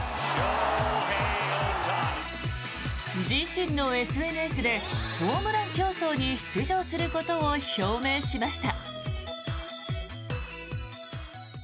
自身のＳＮＳでホームラン競争に出場することを表明しました。